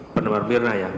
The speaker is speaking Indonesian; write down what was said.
pernama mirna ya